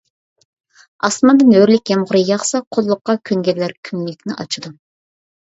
ئاسماندىن ھۆرلۈك يامغۇرى ياغسا، قۇللۇققا كۆنگەنلەر كۈنلۈكنى ئاچىدۇ.